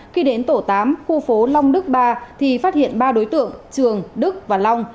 khi đến tổ tám khu phố long đức ba thì phát hiện ba đối tượng trường đức và long